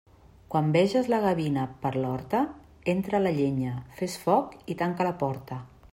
Quan veges la gavina per l'horta, entra la llenya, fes foc i tanca la porta.